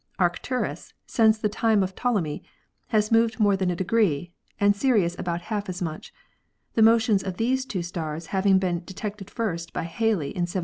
Arcturus, since the time of Ptolemy, has moved more than a degree and Sirius about half as much, the motions of these two stars having been detected first by Halley in 1718.